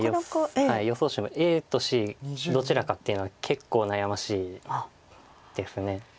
予想手のＡとＣどちらかっていうのは結構悩ましいです。